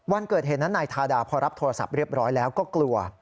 วันเกิดเหตุนั้นนายทาดาพอรับโทรศัพท์เรียบร้อยแล้วก็กลัว